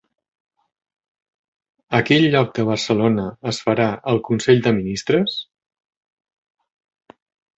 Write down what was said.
A quin lloc de Barcelona es farà el consell de ministres?